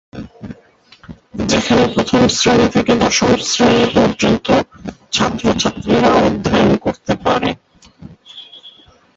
যেখানে প্রথম শ্রেণি থেকে দশম শ্রেণি পর্যন্ত ছাত্রছাত্রীরা অধ্যায়ন করতে পারে।